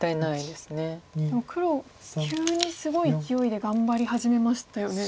でも黒急にすごいいきおいで頑張り始めましたよね。